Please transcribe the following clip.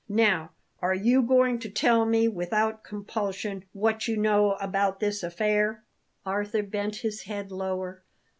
Now, are you going to tell me, without compulsion, what you know about this affair?" Arthur bent his head lower.